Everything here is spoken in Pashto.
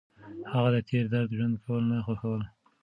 هغه د تېر درد ژوندي کول نه خوښول.